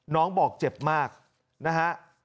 บอกเจ็บมากนะฮะ